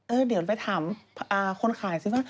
เดี๋ยวไปถามคนขายซิว่า